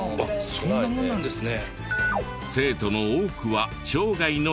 そんなものなんですね。